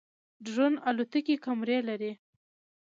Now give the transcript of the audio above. ډرون الوتکې کمرې لري